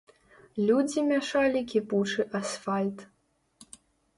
Людзі мяшалі кіпучы асфальт.